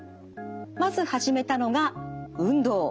まず始めたのが運動。